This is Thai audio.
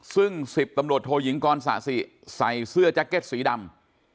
ซึ่ง๑๐ตำรวจโทยิงกรศักดิ์สิกำลังใส่เสื้อแจ็คเก็ตสีดำ